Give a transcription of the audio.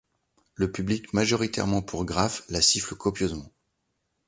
Le public, majoritairement pour Graf, la siffle copieusement.